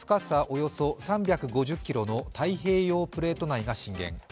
およそ３５０ｋｍの太平洋プレート内が震源。